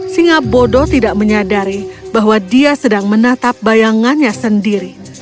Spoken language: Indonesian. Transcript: singa bodoh tidak menyadari bahwa dia sedang menatap bayangannya sendiri